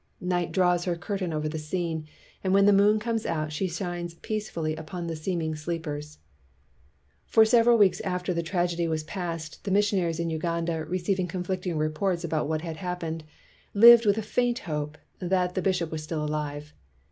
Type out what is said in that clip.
Night draws her curtain over the scene, and when the moon comes out, she shines peacefully upon the seeming sleepers. '' For several weeks after the tragedy was past, the missionaries in Uganda receiving conflicting reports about what had hap pened, lived with a faint hope that the bishop was still alive.